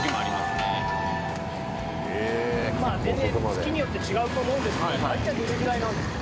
全然月によって違うと思うんですけど大体どれぐらいなんですか？